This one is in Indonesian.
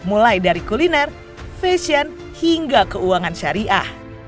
mulai dari kuliner fashion hingga keuangan syariah